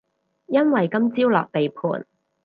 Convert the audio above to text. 因為今朝落地盤